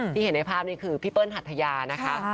เห็นในภาพนี้คือพี่เปิ้ลหัทยานะคะ